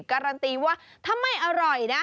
การันตีว่าถ้าไม่อร่อยนะ